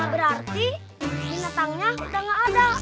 berarti binatangnya udah gak ada